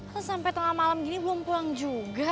pas sampai tengah malam ini belum pulang juga